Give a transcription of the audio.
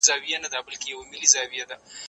هغه څوک چي لوبه کوي خوشاله وي!.